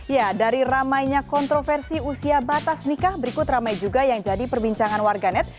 ya dari ramainya kontroversi usia batas nikah berikut ramai juga yang jadi perbincangan warganet